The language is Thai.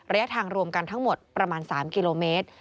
ระยะทางรวมกันทั้งหมดประมาณ๓กิโลเมตร